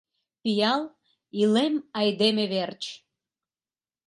Пиал Илем Айдеме верч!